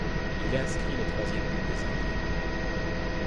Il inscrit le troisième but des Anglais.